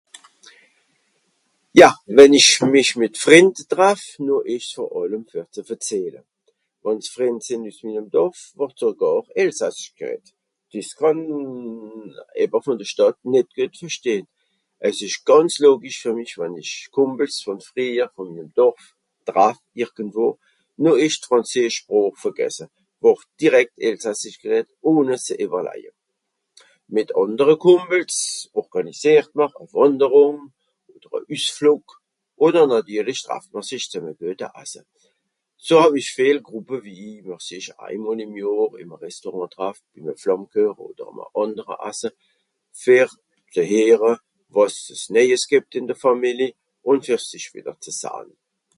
ja wenn isch mich mìt frìnd traff no esch's vor allem ver zu verzähle wann s'fìnd sìn üss minner dorf wort sogàr elsasssich geret des kànn eber vòn die stàtt nit verstehen as esch gànz logisch ver mich wann isch kombels von freijer vom dorf traff irgendwo no esch's franzesch spràch vergesse wort direkt elsassisch geret ohne zu everlaije mìt andere kombels organisiert mr a wànderung oder à üssflog oder nàtirlich traffe'mr sich zum a guete asse so hàw'isch viel grùppe wie mr sich einmol ìm johr ìm a restaurant traff fer flàmmekueche oder àndere asse fer geheere wàs as neijes gebt ìn de fàmili ùn ver sich wìder zu sahn